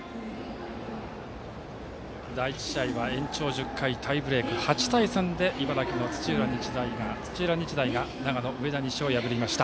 第１試合は延長１０回タイブレーク８対３で茨城・土浦日大が長野・上田西を破りました。